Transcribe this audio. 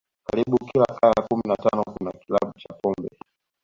Karibu kila kaya kumi na tano kuna kilabu cha pombe